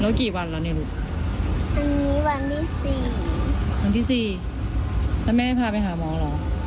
แล้วกี่วันแล้วนรูปอันนี้วันที่สี่วันที่สี่แล้วแม่ให้พาไปหาหมอหรอ